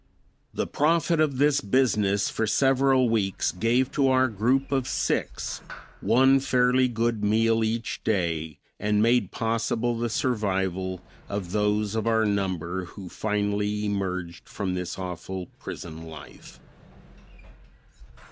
The profit of this business for several weeks gave to our group of six one fairly good meal each day and made possible the survival of those of our number who finally emerged from this awful prison life.